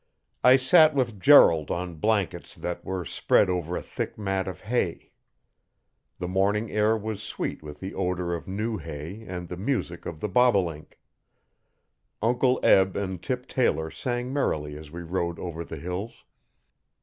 I sat with Gerald on blankets that were spread over a thick mat of hay. The morning air was sweet with the odour of new hay and the music of the bobolink. Uncle Eb and Tip Taylor sang merrily as we rode over the hills.